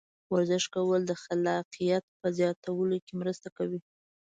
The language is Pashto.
ورزش کول د خلاقیت په زیاتولو کې مرسته کوي.